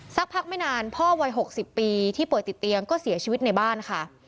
สักพักไม่นานพ่อวัย๖๐ปีที่ป่วยติดเตียงก็เสียชีวิตในบ้านค่ะ